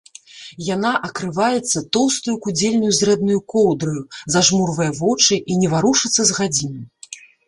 Яна акрываецца тоўстаю кудзельнаю зрэбнаю коўдраю, зажмурвае вочы і не варушыцца з гадзіну.